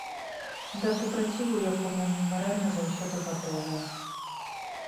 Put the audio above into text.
Да супраціву якому мы маральна заўсёды гатовыя.